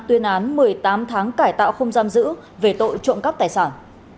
tuyên án một mươi tám tháng cải tạo không giam giữ về tội trộm cắp tài sản